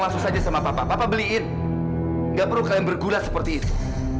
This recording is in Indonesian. langsung saja sama papa papa beliin gak perlu kalian bergulat seperti itu